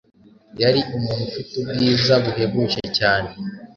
Yari umuntu ufite ubwiza buhebuje cyane.